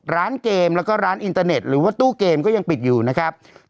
ร้านเกมแล้วก็ร้านอินเตอร์เน็ตหรือว่าตู้เกมก็ยังปิดอยู่นะครับ